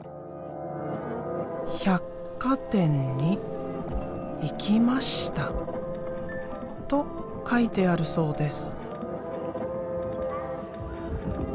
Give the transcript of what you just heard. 百貨店に行きました」と書いてあるそうです。